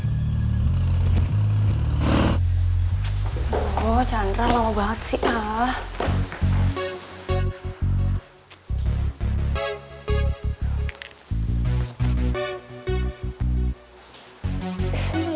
aduh chandra lama banget sih